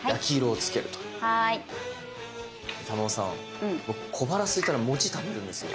珠緒さん僕小腹すいたら餅食べるんですよ。